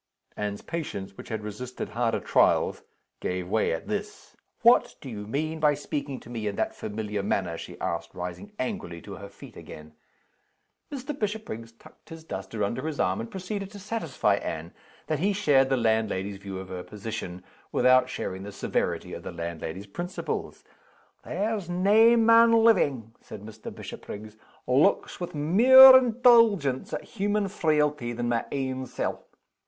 Anne's patience, which had resisted harder trials, gave way at this. "What do you mean by speaking to me in that familiar manner?" she asked, rising angrily to her feet again. Mr. Bishopriggs tucked his duster under his arm, and proceeded to satisfy Anne that he shared the landlady's view of her position, without sharing the severity of the landlady's principles. "There's nae man livin'," said Mr. Bishopriggs, "looks with mair indulgence at human frailty than my ain sel'.